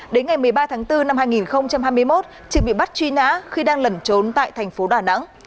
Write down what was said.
đến ngày một mươi ba tháng bốn năm hai nghìn hai mươi một trường bị bắt truy nã khi đang lẩn trốn tại thành phố đà nẵng